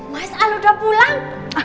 mas al udah pulang